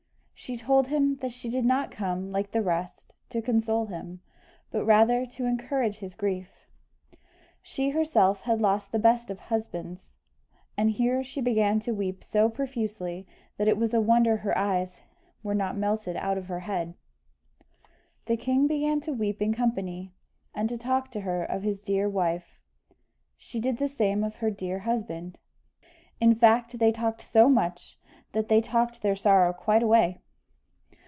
She told him that she did not come, like the rest, to console him, but rather to encourage his grief. She herself had lost the best of husbands, and here she began to weep so profusely, that it was a wonder her eyes were not melted out of her head. The king began to weep in company, and to talk to her of his dear wife she did the same of her dear husband: in fact they talked so much, that they talked their sorrow quite away.